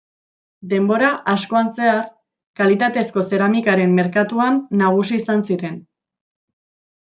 Denbora askoan zehar, kalitatezko zeramikaren merkatuan nagusi izan ziren.